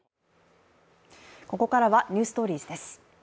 ここからは「ｎｅｗｓｔｏｒｉｅｓ」